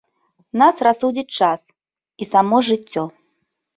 Нас рассудзіць час і само жыццё.